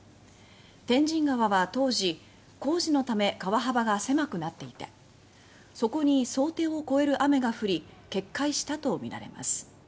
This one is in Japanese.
天神川は当時、工事のため川幅が狭くなっていてそこに想定を超える雨が降り決壊したとみられます。